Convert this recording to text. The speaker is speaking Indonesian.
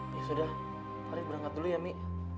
farid berangkat dulu ya mi